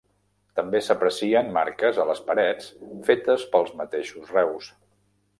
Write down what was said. També s'aprecien marques a les parets fetes pels mateixos reus.